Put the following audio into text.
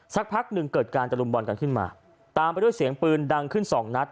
สักพักหนึ่งเกิดการตะลุมบอลกันขึ้นมาตามไปด้วยเสียงปืนดังขึ้นสองนัด